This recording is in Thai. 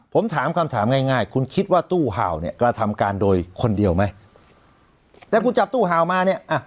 ผมถามคำถามง่ายง่ายคุณคิดว่าตู้เห่าเนี่ยกระทำการโดยคนเดียวไหมแล้วคุณจับตู้เห่ามาเนี่ย